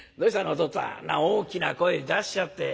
お父っつぁんそんな大きな声出しちゃって。